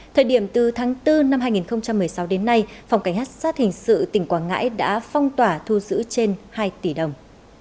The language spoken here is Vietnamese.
thời điểm từ tháng bốn năm hai nghìn một mươi sáu đến nay phòng cảnh sát hình sự tỉnh quảng ngãi đã phong tỏa thu giữ trên hai tỷ đồng